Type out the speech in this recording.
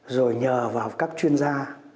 rồi nhờ vào các chuyên gia